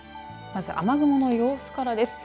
まず、雨雲の様子からです。